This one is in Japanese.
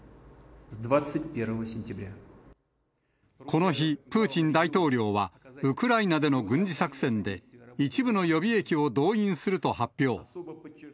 この日、プーチン大統領はウクライナでの軍事作戦で、一部の予備役を動員すると発表。